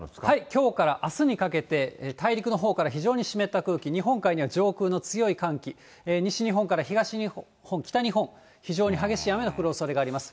きょうからあすにかけて、大陸のほうから非常に湿った空気、日本海には上空の強い寒気、西日本から東日本、北日本、非常に激しい雨の降るおそれがあります。